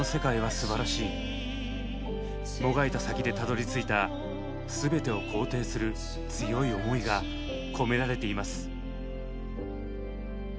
もがいた先でたどりついた全てを肯定する強い思いが込められています。